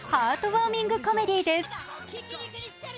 ウォーミングコメディーです。